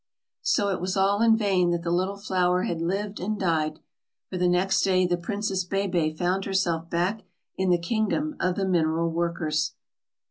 So it was all in vain that the little flower had lived and died, for the next day the Princess Bébè found herself back in the kingdom of the mineral workers.